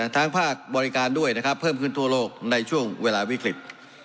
ภาคบริการด้วยนะครับเพิ่มขึ้นทั่วโลกในช่วงเวลาวิกฤต